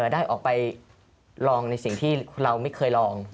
ได้ออกไปลองในสิ่งที่เราไม่เคยลอง